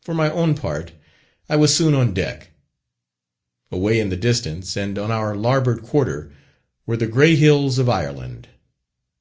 For my own part, I was soon on deck. Away in the distance, and on our larboard quarter, were the grey hills of Ireland.